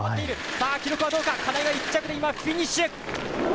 さあ、記録はどうか、金井が１着で今、フィニッシュ。